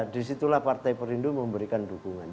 di situlah partai perindu memberikan dukungan